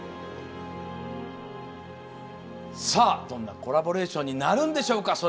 どんなコラボレーションになるんでしょうか。